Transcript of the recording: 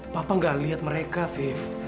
papa gak lihat mereka five